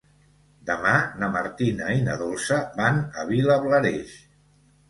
Demà na Martina i na Dolça van a Vilablareix.